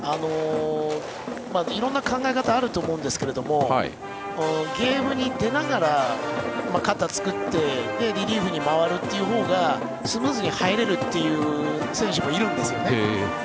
いろんな考え方あると思うんですけどもゲームに出ながら肩を作ってリリーフに回るほうがスムーズに入れるという選手もいるんですね。